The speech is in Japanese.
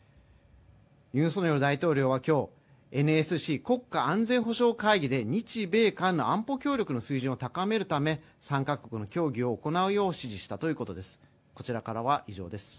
ユン・ソンニョル大統領は今日、ＮＳＣ＝国家安全保障会議で日米韓の安保協力の水準を高めるため、３か国の協議を行うよう指示したということです。